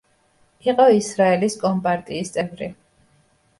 იყო ისრაელის კომპარტიის წევრი.